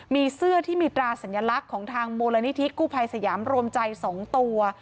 มีเสื้อที่มีตราสัญลักษณ์ของทางมูลนิธิกู้ภัยสยามรวมใจ๒ตัว